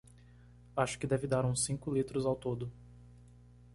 Acho que deve dar uns cinco litros ao todo